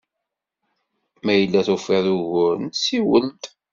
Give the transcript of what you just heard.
Ma yella tufiḍ uguren, siwel-d.